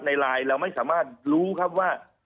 ในไลน์เราไม่สามารถรู้ครับว่า